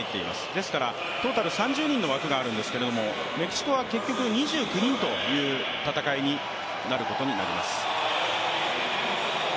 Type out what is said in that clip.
ですから、トータル３０人の枠があるんですけど、メキシコは結局２９人という戦いになることになります。